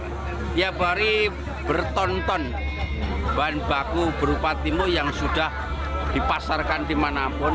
setiap hari bertonton bahan baku berupa timbul yang sudah dipasarkan dimanapun